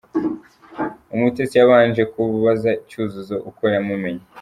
Umutesi yabanje kubaza Cyuzuzo uko yamumenye.